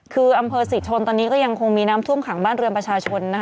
คืออำเภอศรีชนตอนนี้ก็ยังคงมีน้ำท่วมขังบ้านเรือนประชาชนนะคะ